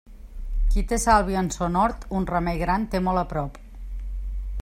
Qui té sàlvia en son hort, un remei gran té molt prop.